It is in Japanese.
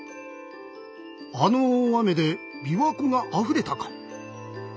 あの大雨でびわ湖があふれたか。